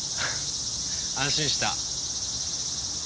安心した。